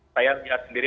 saya lihat sendiri